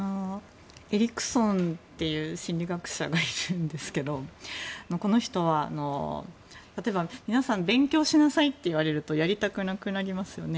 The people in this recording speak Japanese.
エリクソンという心理学者がいるんですけどこの人は、例えば皆さん勉強しなさいって言われるとやりたくなくなりますよね。